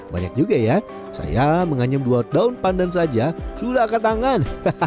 banyak juga ya saya menganyam dua daun pandan saja sudah angkat tangan